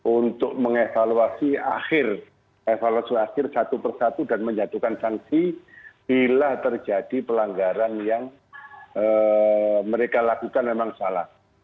untuk mengevaluasi akhir evaluasi akhir satu persatu dan menjatuhkan sanksi bila terjadi pelanggaran yang mereka lakukan memang salah